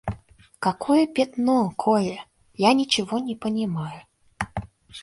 Какое пятно, Коля? Я ничего не понимаю.